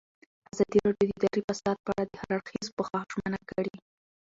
ازادي راډیو د اداري فساد په اړه د هر اړخیز پوښښ ژمنه کړې.